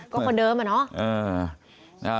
ก็คนเดิมอะเนาะ